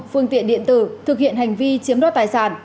phương tiện điện tử thực hiện hành vi chiếm đoạt tài sản